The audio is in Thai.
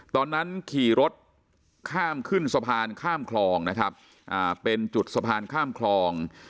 ตอนนั้นขี่รถข้ามขึ้นสะพานข้ามคลองนะครับเป็นจุดสะพานข้ามคลอง